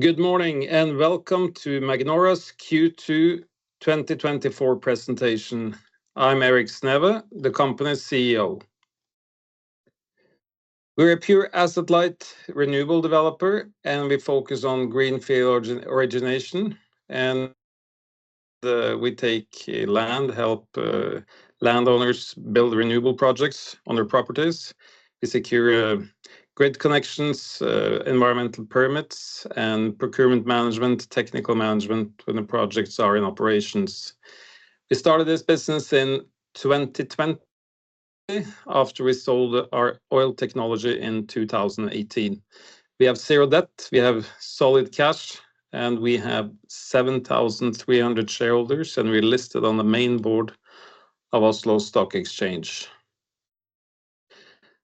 Good morning, and welcome to Magnora's Q2 2024 Presentation. I'm Erik Sneve, the company's CEO. We're a pure asset-light renewable developer, and we focus on greenfield origination, and we take land, help landowners build renewable projects on their properties. We secure grid connections, environmental permits, and procurement management, technical management when the projects are in operations. We started this business in 2020, after we sold our oil technology in 2018. We have zero debt, we have solid cash, and we have 7,300 shareholders, and we're listed on the main board of Oslo Stock Exchange.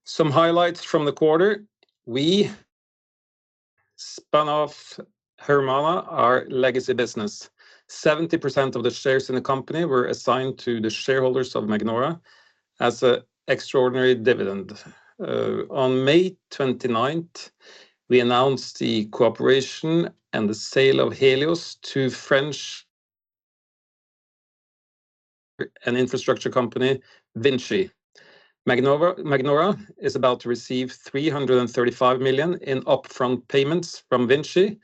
Some highlights from the quarter. We spun off Hermana, our legacy business. 70% of the shares in the company were assigned to the shareholders of Magnora as an extraordinary dividend. On May 29, we announced the cooperation and the sale of Helios to French an infrastructure company, VINCI. Magnora, Magnora is about to receive 335 million in upfront payments from VINCI,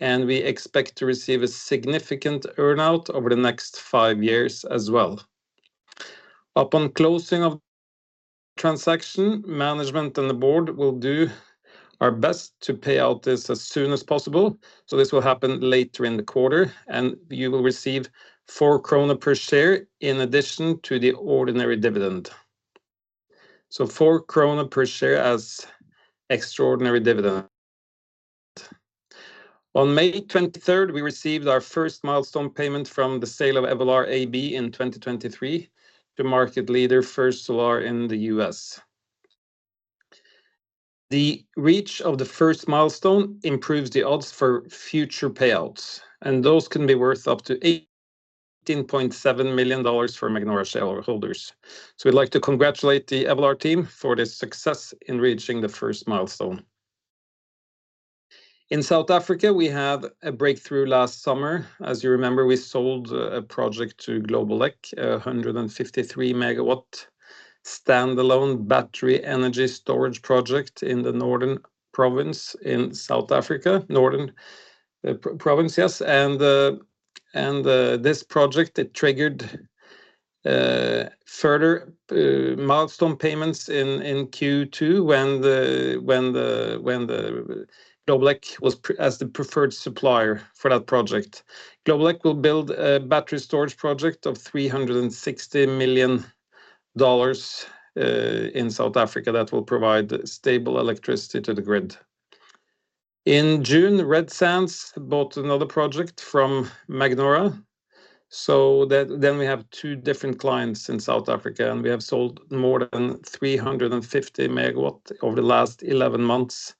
and we expect to receive a significant earn-out over the next five years as well. Upon closing of transaction, management and the board will do our best to pay out this as soon as possible, so this will happen later in the quarter, and you will receive 4 krone per share in addition to the ordinary dividend. So 4 krone per share as extraordinary dividend. On May 23rd, we received our first milestone payment from the sale of Evolar AB in 2023, the market leader for solar in the US. The receipt of the first milestone improves the odds for future payouts, and those can be worth up to NOK 18.7 million for Magnora shareholders. \So we'd like to congratulate the Evolar team for their success in reaching the first milestone. In South Africa, we had a breakthrough last summer. As you remember, we sold a project to Globeleq, a 153 MW standalone battery energy storage project in the Northern Province in South Africa. Northern Province, yes, and this project, it triggered further milestone payments in Q2 when the Globeleq was as the preferred supplier for that project. Globeleq will build a battery storage project of $360 million in South Africa that will provide stable electricity to the grid. In June, Red Sands bought another project from Magnora, so then we have two different clients in South Africa, and we have sold more than 350 MW over the last 11 months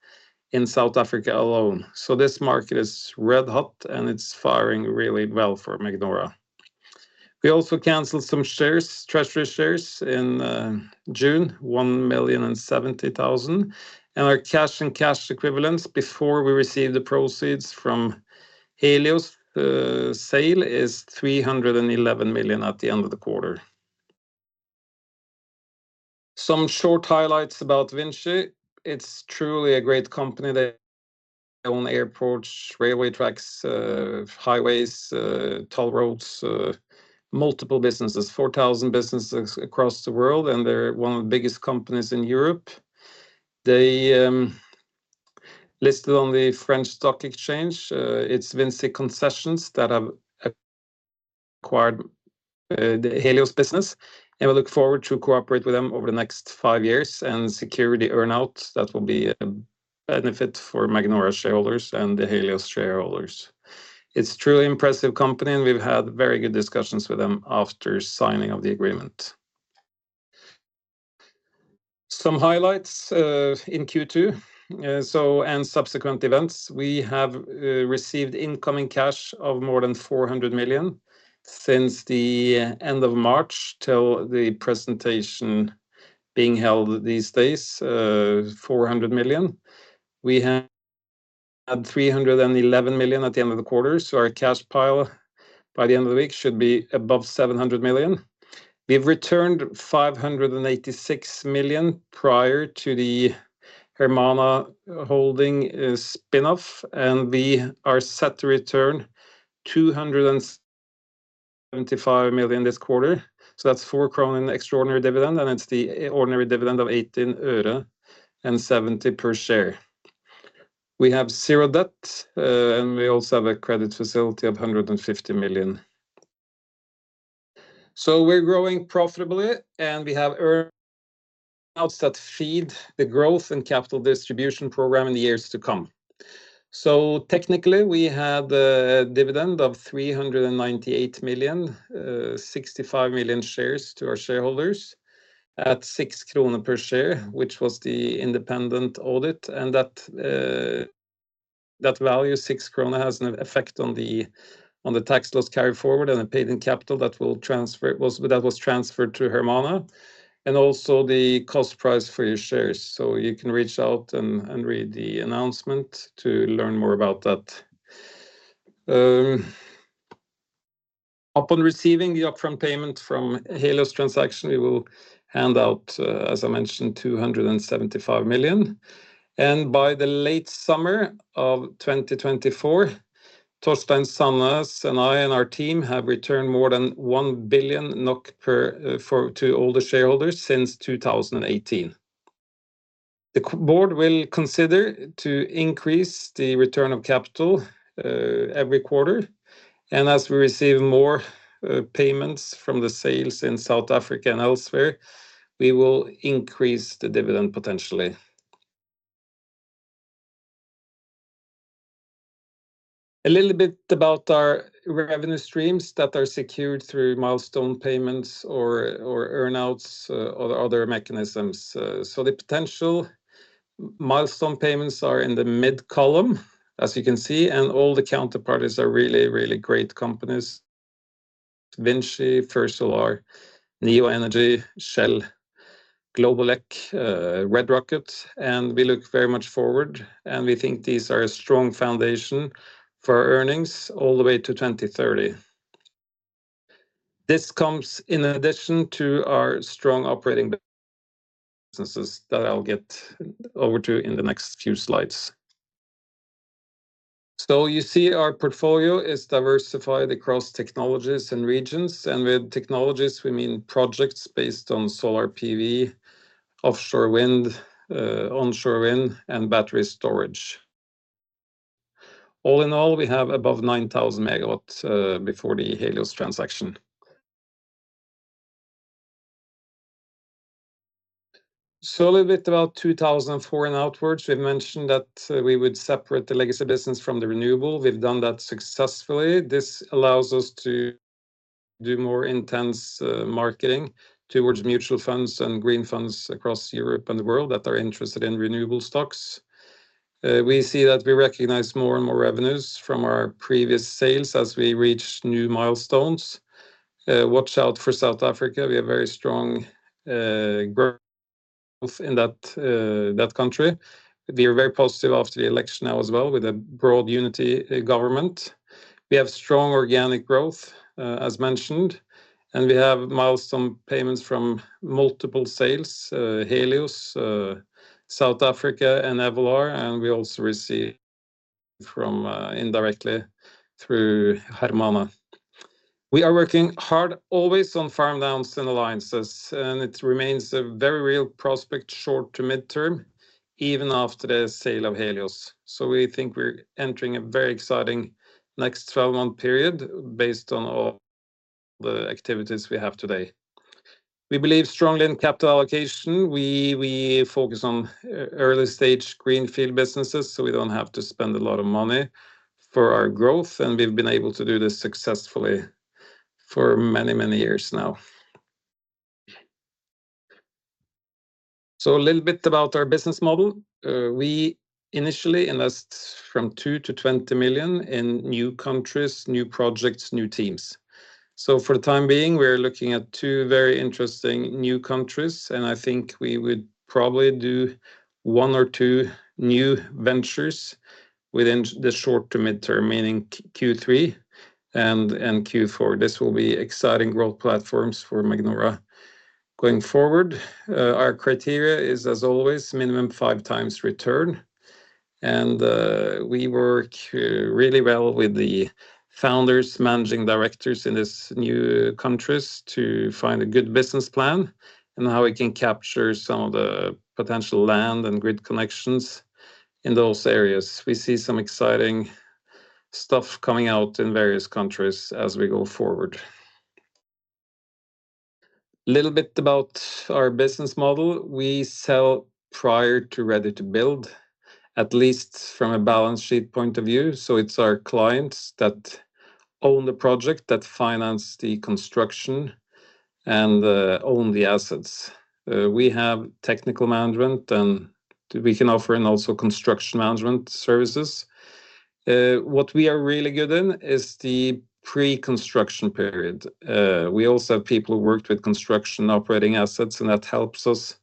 in South Africa alone. So this market is red hot, and it's firing really well for Magnora. We also canceled some shares, treasury shares in June, 1,070,000, and our cash and cash equivalents before we received the proceeds from Helios' sale is 311 million at the end of the quarter. Some short highlights about VINCI. It's truly a great company. They own airports, railway tracks, highways, toll roads, multiple businesses, 4,000 businesses across the world, and they're one of the biggest companies in Europe. They listed on the French Stock Exchange. It's VINCI Concessions that have acquired the Helios business, and we look forward to cooperate with them over the next five years and security earn-out that will be a benefit for Magnora shareholders and the Helios shareholders. It's truly impressive company, and we've had very good discussions with them after signing of the agreement. Some highlights in Q2 and subsequent events. We have received incoming cash of more than 400 million since the end of March till the presentation being held these days, 400 million. We had 311 million at the end of the quarter, so our cash pile by the end of the week should be above 700 million. We've returned 586 million prior to the Hermana Holding spin-off, and we are set to return 275 million this quarter. So that's 4 crown in extraordinary dividend, and it's the ordinary dividend of NOK 0.18 and 70 per share. We have 0 debt, and we also have a credit facility of 150 million. So we're growing profitably, and we have earn-outs that feed the growth and capital distribution program in the years to come. So technically, we had a dividend of 398 million, 65 million shares to our shareholders at 6 krone per share, which was the independent audit, and that value, 6 krone, has an effect on the tax loss carry forward and the paid-in capital that will transfer... Well, that was transferred to Hermana, and also the cost price for your shares. So you can reach out and read the announcement to learn more about that. Upon receiving the upfront payment from Helios transaction, we will hand out, as I mentioned, 275 million. By the late summer of 2024, Torstein Sanness and I, and our team have returned more than 1 billion NOK to all the shareholders since 2018. The board will consider to increase the return of capital every quarter, and as we receive more payments from the sales in South Africa and elsewhere, we will increase the dividend, potentially. A little bit about our revenue streams that are secured through milestone payments or earn-outs or other mechanisms. So the potential milestone payments are in the mid column, as you can see, and all the counterparties are really, really great companies: VINCI, First Solar, NEO Energy, Shell, Globeleq, Red Rocket, and we look very much forward, and we think these are a strong foundation for earnings all the way to 2030. This comes in addition to our strong operating businesses that I'll get over to in the next few slides. So you see our portfolio is diversified across technologies and regions, and with technologies, we mean projects based on solar PV, offshore wind, onshore wind, and battery storage. All in all, we have above 9,000 MW before the Helios transaction. So a little bit about 2024 and outwards. We've mentioned that we would separate the legacy business from the renewable. We've done that successfully. This allows us to do more intense marketing towards mutual funds and green funds across Europe and the world that are interested in renewable stocks. We see that we recognize more and more revenues from our previous sales as we reach new milestones. Watch out for South Africa. We have very strong growth in that country. We are very positive after the election now as well, with a broad unity government. We have strong organic growth, as mentioned, and we have milestone payments from multiple sales, Helios, South Africa, and Evolar, and we also receive from indirectly through Hermana. We are working hard, always on farm downs and alliances, and it remains a very real prospect, short to mid-term, even after the sale of Helios. So we think we're entering a very exciting next twelve-month period based on all the activities we have today. We believe strongly in capital allocation. We focus on early-stage greenfield businesses, so we don't have to spend a lot of money for our growth, and we've been able to do this successfully for many, many years now. So a little bit about our business model. We initially invest from 2 million to 20 million in new countries, new projects, new teams. So for the time being, we are looking at two very interesting new countries, and I think we would probably do one or two new ventures within the short to mid-term, meaning Q3 and Q4. This will be exciting growth platforms for Magnora going forward. Our criteria is, as always, minimum 5x return, and we work really well with the founders, managing directors in these new countries to find a good business plan and how we can capture some of the potential land and grid connections in those areas. We see some exciting stuff coming out in various countries as we go forward. Little bit about our business model. We sell prior to ready to build, at least from a balance sheet point of view. So it's our clients that own the project, that finance the construction, and own the assets. We have technical management, and we can offer and also construction management services. What we are really good in is the pre-construction period. We also have people who worked with construction operating assets, and that helps us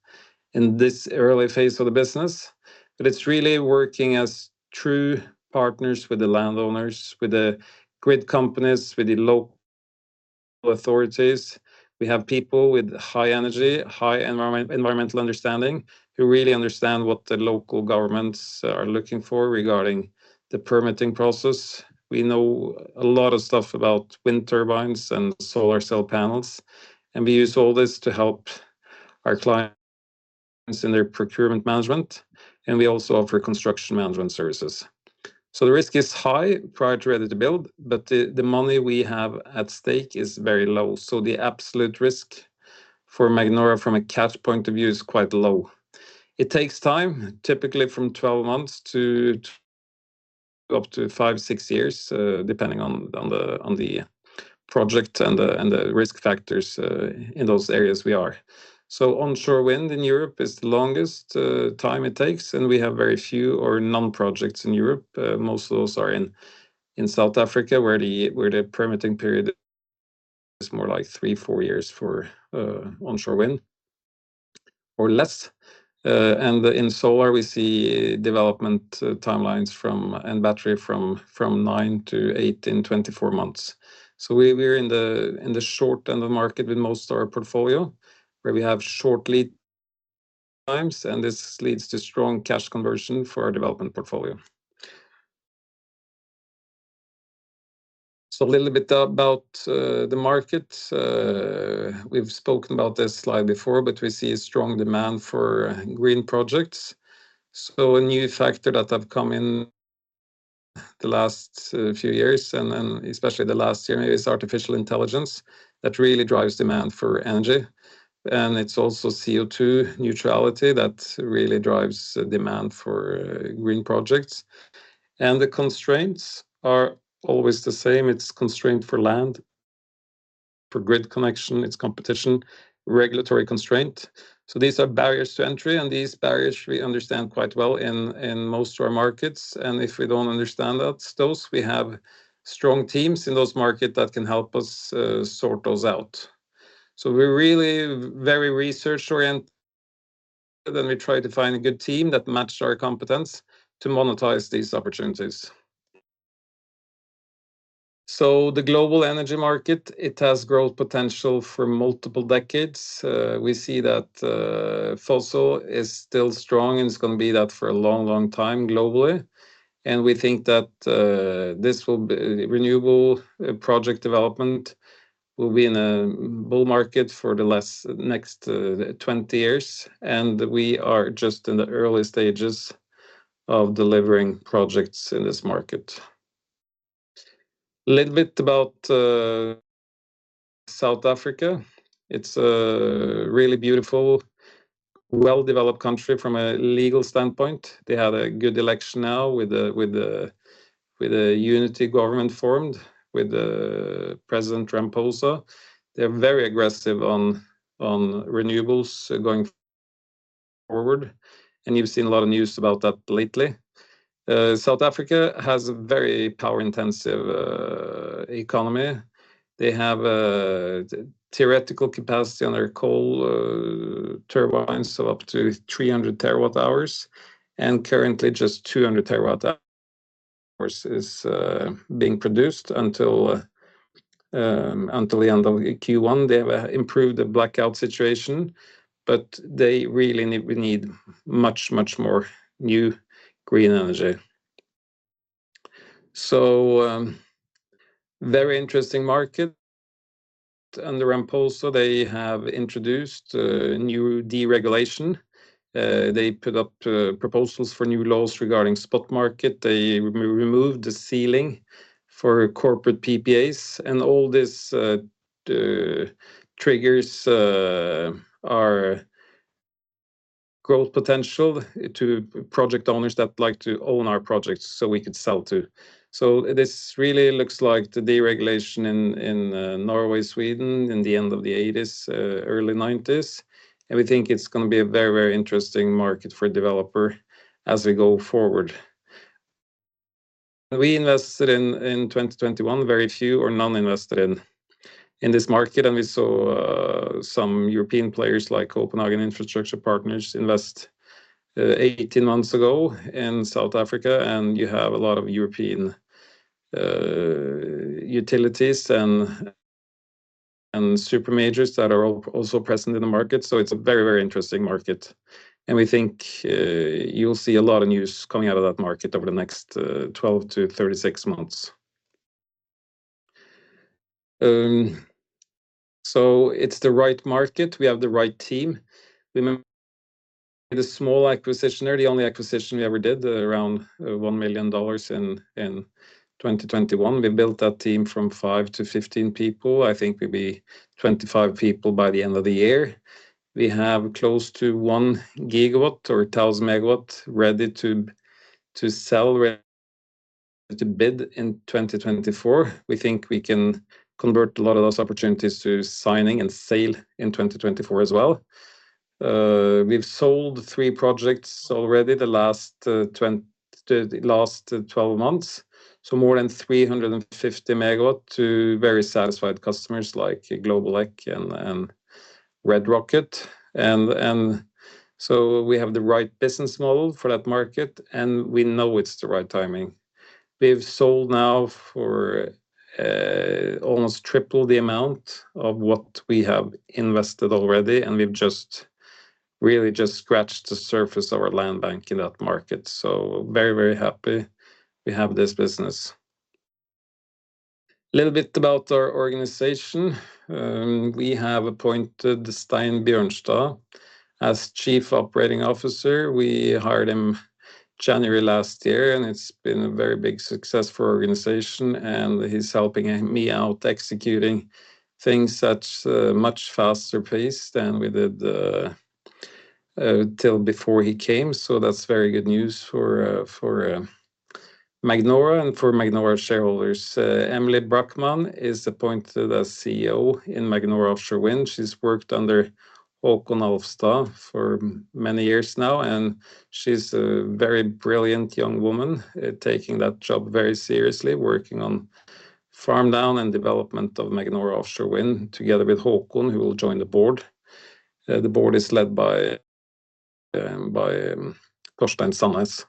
in this early phase of the business. But it's really working as true partners with the landowners, with the grid companies, with the local authorities. We have people with high energy, high environmental understanding, who really understand what the local governments are looking for regarding the permitting process. We know a lot of stuff about wind turbines and solar cell panels, and we use all this to help our clients in their procurement management, and we also offer construction management services. So the risk is high prior to ready to build, but the money we have at stake is very low. So the absolute risk for Magnora from a cash point of view is quite low. It takes time, typically from 12 months to up to 5-6 years, depending on the project and the risk factors in those areas we are. So onshore wind in Europe is the longest time it takes, and we have very few or none projects in Europe. Most of those are in South Africa, where the permitting period is more like 3-4 years for onshore wind or less. And in solar and battery, we see development timelines from 9-18, 24 months. So we're in the short end of the market with most of our portfolio, where we have short lead times, and this leads to strong cash conversion for our development portfolio. So a little bit about the market. We've spoken about this slide before, but we see a strong demand for green projects. So a new factor that have come in the last few years, and then especially the last year, is artificial intelligence. That really drives demand for energy, and it's also CO2 neutrality that really drives demand for green projects. And the constraints are always the same. It's constraint for land, for grid connection, it's competition, regulatory constraint. So these are barriers to entry, and these barriers we understand quite well in most of our markets, and if we don't understand that, those, we have strong teams in those market that can help us sort those out. So we're really very research-oriented, and then we try to find a good team that matched our competence to monetize these opportunities. So the global energy market, it has growth potential for multiple decades. We see that, fossil is still strong, and it's gonna be that for a long, long time globally. And we think that, this will be... Renewable project development will be in a bull market for the less, next, 20 years, and we are just in the early stages of delivering projects in this market. A little bit about South Africa. It's a really beautiful, well-developed country from a legal standpoint. They have a good election now with a unity government formed, with President Ramaphosa. They're very aggressive on renewables going forward, and you've seen a lot of news about that lately. South Africa has a very power-intensive economy. They have a theoretical capacity on their coal turbines, so up to 300 TWh, and currently just 200 TWh is being produced until the end of Q1. They have improved the blackout situation, but they really need, we need much, much more new green energy. So, very interesting market. Under Ramaphosa, they have introduced a new deregulation. They put up proposals for new laws regarding spot market. They re-removed the ceiling for corporate PPAs, and all this triggers our growth potential to project owners that like to own our projects so we could sell to. So this really looks like the deregulation in Norway, Sweden, in the end of the 1980s, early 1990s, and we think it's gonna be a very, very interesting market for developer as we go forward. We invested in 2021, very few or none invested in this market, and we saw some European players like Copenhagen Infrastructure Partners invest 18 months ago in South Africa, and you have a lot of European utilities and super majors that are also present in the market. So it's a very, very interesting market, and we think, you'll see a lot of news coming out of that market over the next, 12-36 months. So it's the right market. We have the right team. We made a small acquisition there, the only acquisition we ever did, around, $1 million in 2021. We built that team from 5-15 people. I think we'll be 25 people by the end of the year. We have close to 1 GW or 1,000 MW ready to sell, ready to bid in 2024. We think we can convert a lot of those opportunities to signing and sale in 2024 as well. We've sold 3 projects already the last 12 months. So more than 350 MW to very satisfied customers like Globeleq and Red Rocket. And so we have the right business model for that market, and we know it's the right timing. We've sold now for almost triple the amount of what we have invested already, and we've just really just scratched the surface of our land bank in that market. So very, very happy we have this business. Little bit about our organization. We have appointed Stein Bjørnstad as Chief Operating Officer. We hired him January last year, and it's been a very big success for our organization, and he's helping me out executing things at a much faster pace than we did till before he came. So that's very good news for Magnora and for Magnora shareholders. Emilie Brockmann is appointed as CEO in Magnora Offshore Wind. She's worked under Haakon Alfstad for many years now, and she's a very brilliant young woman, taking that job very seriously, working on farm down and development of Magnora Offshore Wind, together with Haakon, who will join the board. The board is led by Torstein Sanness.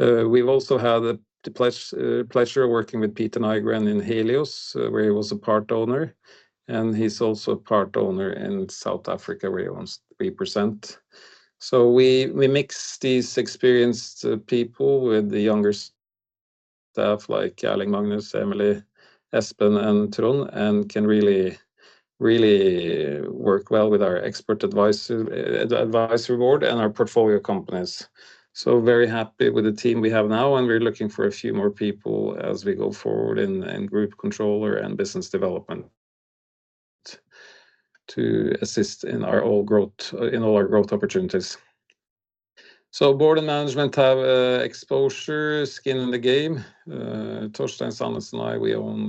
We've also had the pleasure working with Peter Nygren in Helios, where he was a part-owner, and he's also a part-owner in South Africa, where he owns 3%. So we mix these experienced people with the younger staff, like Erling, Magnus, Emilie, Espen, and Trond, and can really, really work well with our expert advisory board and our portfolio companies. So very happy with the team we have now, and we're looking for a few more people as we go forward in group controller and business development to assist in all our growth opportunities. So board and management have exposure, skin in the game. Torstein Sanness and I, we own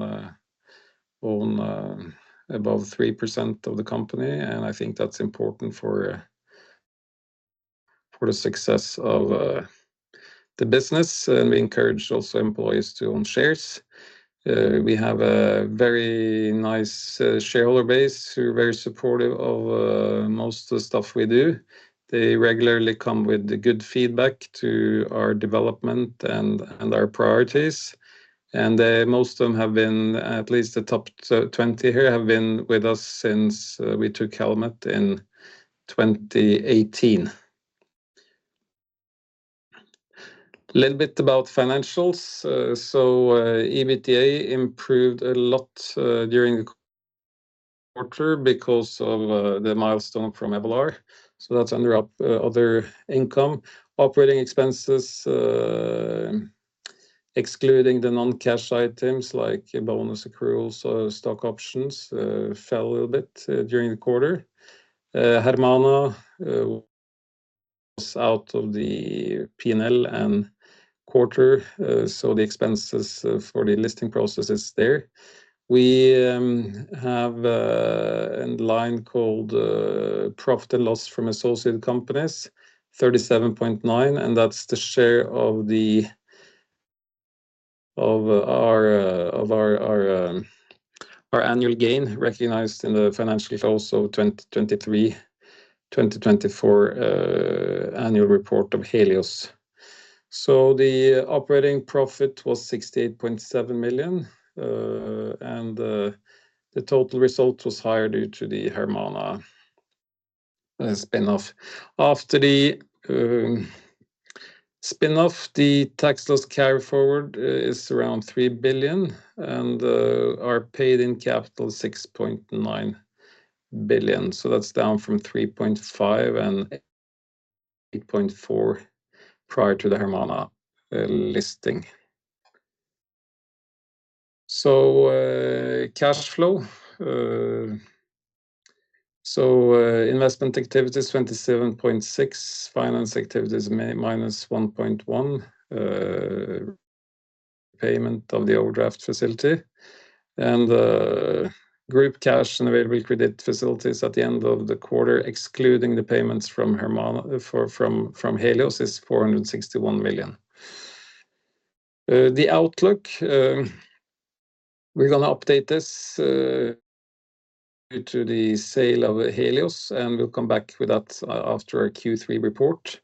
above 3% of the company, and I think that's important for the success of the business, and we encourage also employees to own shares. We have a very nice shareholder base, who are very supportive of most of the stuff we do. They regularly come with good feedback to our development and our priorities, and most of them have been, at least the top 20 here, have been with us since we took Helios in 2018. A little bit about financials. So, EBITDA improved a lot during the quarter because of the milestone from Evolar. So that's under other income. Operating expenses, excluding the non-cash items, like bonus accruals or stock options, fell a little bit during the quarter. Hermana was out of the P&L in the quarter, so the expenses for the listing process is there. We have a line called profit and loss from associated companies, 37.9 million, and that's the share of our annual gain, recognized in the financial year, also 2023, 2024 annual report of Helios. So the operating profit was 68.7 million, and the total result was higher due to the Hermana spin-off. After the spin-off, the tax loss carry forward is around 3 billion, and our paid-in capital, 6.9 billion. So that's down from 3.5 billion and 8.4 billion prior to the Hermana listing. So, cash flow. So, investment activities, 27.6 million. Finance activities, -1.1 million, payment of the overdraft facility. And, group cash and available credit facilities at the end of the quarter, excluding the payments from Hermana from Helios, is 461 million. The outlook, we're gonna update this to the sale of Helios, and we'll come back with that after our Q3 report.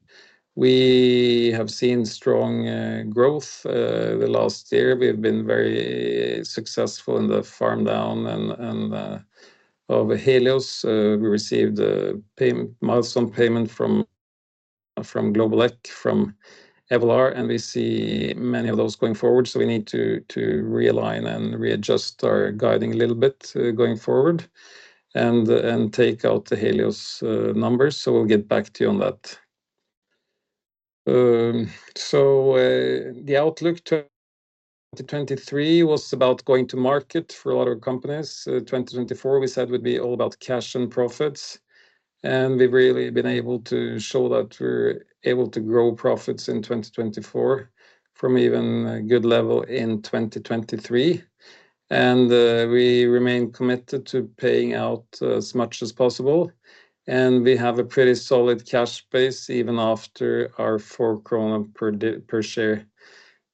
We have seen strong growth the last year. We've been very successful in the farm down and of Helios. We received a milestone payment from Globeleq, from Evolar, and we see many of those going forward. So we need to realign and readjust our guidance a little bit, going forward, and take out the Helios numbers. So we'll get back to you on that. The outlook to 2023 was about going to market for a lot of companies. 2024, we said, would be all about cash and profits, and we've really been able to show that we're able to grow profits in 2024 from even a good level in 2023. We remain committed to paying out as much as possible, and we have a pretty solid cash base, even after our 4 krone per share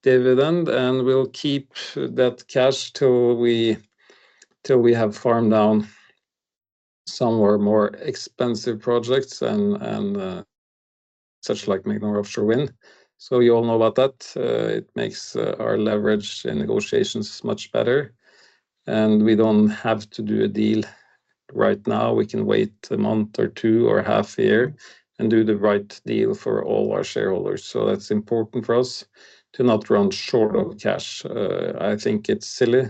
dividend. We'll keep that cash till we have farmed down some of our more expensive projects and such like Magnora Offshore Wind. So you all know about that. It makes our leverage in negotiations much better, and we don't have to do a deal right now. We can wait a month or two or half year and do the right deal for all our shareholders. So that's important for us to not run short of cash. I think it's silly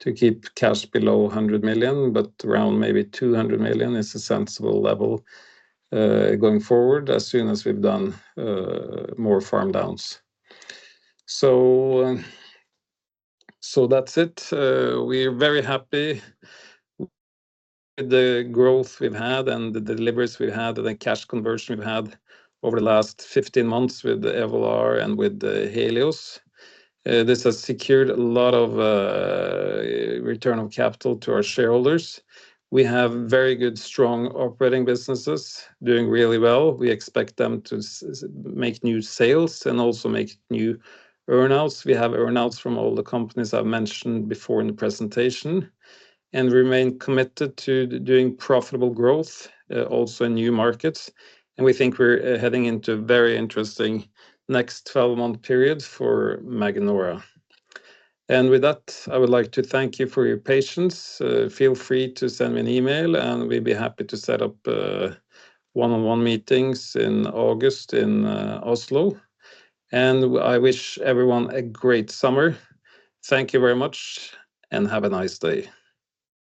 to keep cash below 100 million, but around maybe 200 million is a sensible level going forward, as soon as we've done more farm downs. So that's it. We're very happy with the growth we've had and the deliveries we've had and the cash conversion we've had over the last 15 months with the Evolar and with the Helios. This has secured a lot of return on capital to our shareholders. We have very good, strong operating businesses doing really well. We expect them to make new sales and also make new earnouts. We have earnouts from all the companies I've mentioned before in the presentation and remain committed to doing profitable growth, also in new markets, and we think we're heading into a very interesting next 12 month period for Magnora. With that, I would like to thank you for your patience. Feel free to send me an email, and we'd be happy to set up one-on-one meetings in August, in Oslo, and I wish everyone a great summer. Thank you very much, and have a nice day.